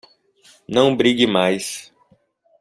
Não brigue mais